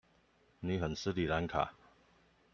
你很失禮蘭卡